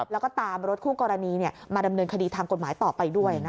แล้วก็ตามรถคู่กรณีมาดำเนินคดีทางกฎหมายต่อไปด้วยนะคะ